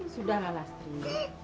sudahlah lastri ibu